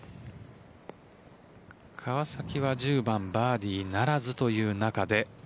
川崎は１０番バーディーならずという中で。